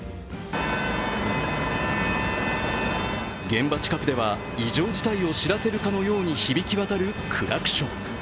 現場近くでは、異常事態を知らせるかのように響き渡るクラクション。